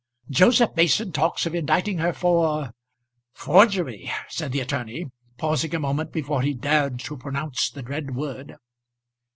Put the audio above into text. "Joseph Mason talks of indicting her for forgery," said the attorney, pausing a moment before he dared to pronounce the dread word.